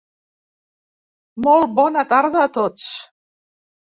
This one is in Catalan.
Molt bona tarda a tots.